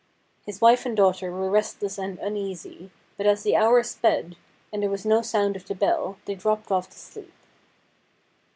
His wife and daughter were restless and uneasy, but as the hours sped, and there was no sound of the bell, they dropped off to sleep.